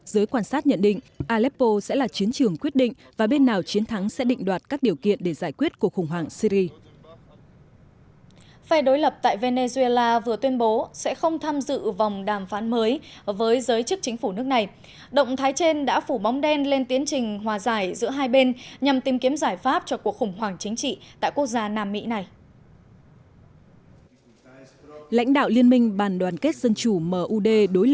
giới quan sát nhận định aleppo sẽ là chiến trường quyết định và bên nào chiến thắng sẽ định đoạt các điều kiện để giải quyết cuộc khủng hoảng syri